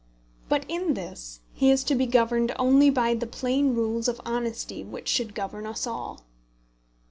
But in this he is to be governed only by the plain rules of honesty which should govern us all.